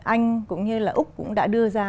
anh cũng như là úc cũng đã đưa ra